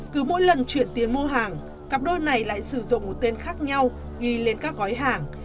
cứ mỗi lần chuyển tiền mua hàng cặp đôi này lại sử dụng một tên khác nhau ghi lên các gói hàng